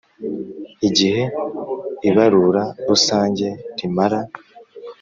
igihe ibarura rusange rimara